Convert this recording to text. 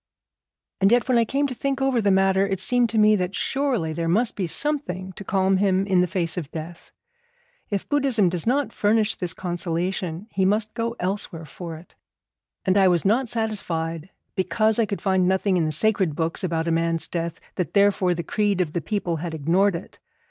And yet when I came to think over the matter, it seemed to me that surely there must be something to calm him in the face of death. If Buddhism does not furnish this consolation, he must go elsewhere for it. And I was not satisfied, because I could find nothing in the sacred books about a man's death, that therefore the creed of the people had ignored it.